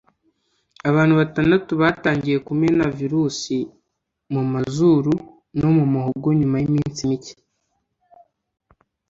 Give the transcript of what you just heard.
abantu Batandatu batangiye kumena virusi mumazuru no mumuhogo nyuma yiminsi mike